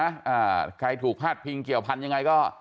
อ่าใครถูกพาดพิงเกี่ยวพันธยังไงก็